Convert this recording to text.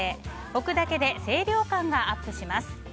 置くだけで清涼感がアップします。